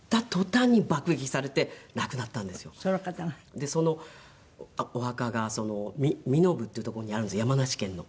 でそのお墓が身延っていう所にあるんです山梨県の。